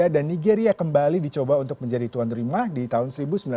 dan nigeria kembali dicoba untuk menjadi tuan rumah di tahun seribu sembilan ratus sembilan puluh lima